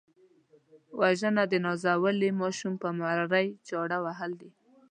وژنه د نازولي ماشوم پر مرۍ چاړه وهل دي